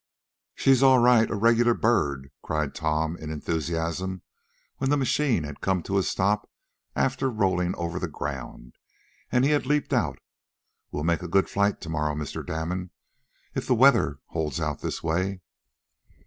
"She's all right regular bird!" cried Tom, in enthusiasm, when the machine had come to a stop after rolling over the ground, and he had leaped out. "We'll make a good flight to morrow, Mr. Damon, if the weather holds out this way."